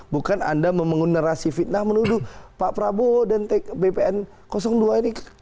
bukan anda membangun narasi fitnah menuduh pak prabowo dan bpn dua ini